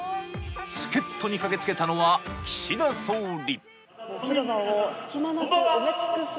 助っ人に駆けつけたのは、岸田総理。